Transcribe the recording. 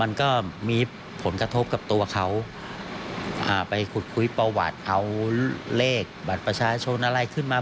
มันก็มีผลกระทบกับตัวเขาอ่าไปขุดคุยประวัติเอาเลขบัตรประชาชนอะไรขึ้นมา